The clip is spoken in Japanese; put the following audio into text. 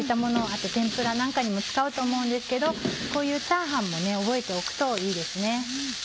あと天ぷらなんかにも使うと思うんですけどこういうチャーハンも覚えておくといいですね。